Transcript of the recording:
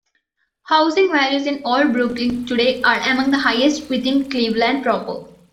Housing values in Old Brooklyn, today, are among the highest within Cleveland proper.